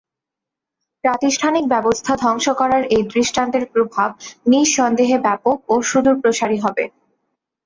প্রাতিষ্ঠানিক ব্যবস্থা ধ্বংস করার এই দৃষ্টান্তের প্রভাব নিঃসন্দেহে ব্যাপক ও সুদূরপ্রসারী হবে।